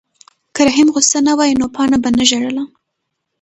که رحیم غوسه نه وای نو پاڼه به نه ژړله.